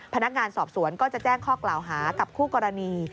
พนักงานสอบสวนก็จะแจ้งข้อกล่าวหากับคู่กรณี